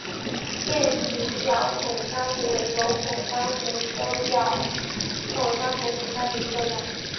变形表孔珊瑚为轴孔珊瑚科表孔珊瑚属下的一个种。